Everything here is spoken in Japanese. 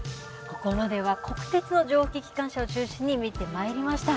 ここまでは国鉄の蒸気機関車を中心に見てまいりました。